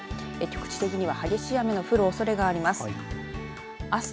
局地的には激しい雨が降るおそれがあります。